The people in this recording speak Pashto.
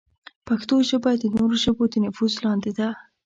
پښتو ژبه د نورو ژبو د نفوذ لاندې ده.